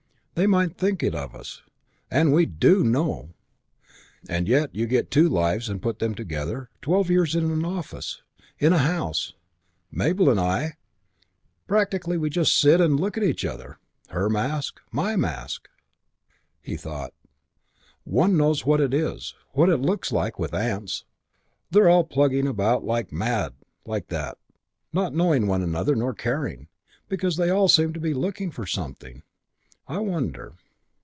They might think it of us. And we do know. And yet you get two lives and put them together twelve years in an office ... in a house.... Mabel and I ... practically we just sit and look at each other. Her mask. My mask...." He thought: "One knows what it is, what it looks like, with ants. They're all plugging about like mad like that, not knowing one another, nor caring, because they all seem to be looking for something. I wonder....